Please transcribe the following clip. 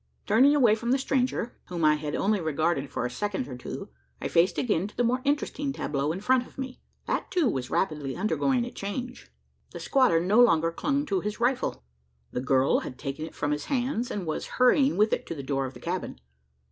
Turning away from the stranger whom I had only regarded for a second or two I faced again to the more interesting tableau in front of me. That, too, was rapidly undergoing a change. The squatter no longer clung to his rifle. The girl had taken it from his hands; and was hurrying with it into the door of the cabin.